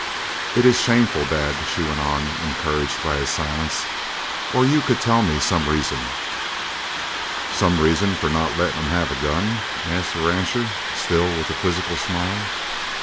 "It is shameful, Dad," she went on, encouraged by his silence, "or you could tell me some reason." "Some reason for not letting him have a gun?" asked the rancher, still with the quizzical smile.